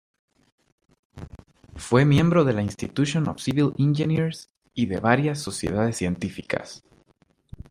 Fue miembro de la Institution of Civil Engineers y de varias sociedades científicas.